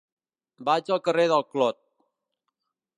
Vaig al carrer del Clot.